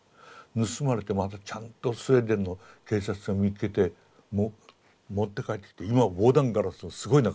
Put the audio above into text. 盗まれてまたちゃんとスウェーデンの警察が見っけて持って帰ってきて今は防弾ガラスのすごい中に入ってます。